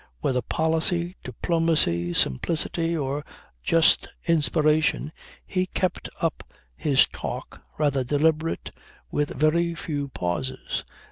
Whether policy, diplomacy, simplicity, or just inspiration, he kept up his talk, rather deliberate, with very few pauses.